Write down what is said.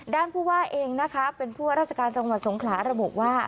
ผู้ว่าเองนะคะเป็นผู้ว่าราชการจังหวัดสงขลาระบุว่า